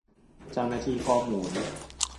เจ้าหน้าที่ข้อมูล